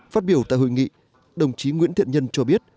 phát biểu tại hội nghị đồng chí nguyễn thiện nhân cho biết